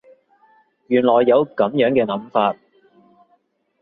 原來有噉樣嘅諗法